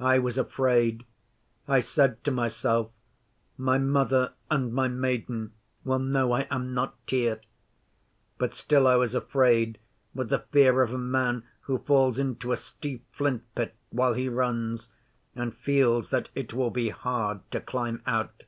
I was afraid. I said to myself, "My Mother and my Maiden will know I am not Tyr." But still I was afraid, with the fear of a man who falls into a steep flint pit while he runs, and feels that it will be hard to climb out.